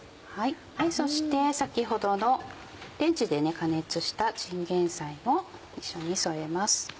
そして先ほどのレンジで加熱したチンゲンサイも一緒に添えます。